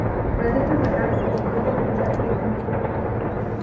Tras ese nuevo fracaso, optó por retirarse definitivamente.